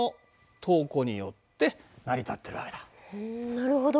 なるほど。